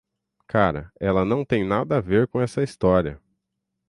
Cara, ela não tem nada a ver com essa história.